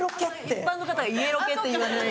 一般の方は「家ロケ」って言わない。